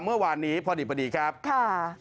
เมื่อวานนี้พอดีครับค่ะ